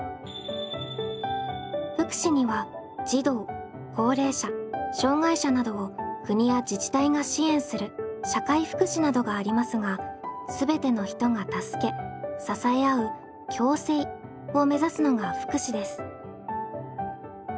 福祉には児童高齢者障害者などを国や自治体が支援する社会福祉などがありますがすべての人が助け支え合う「共生」を目指すのが福祉です。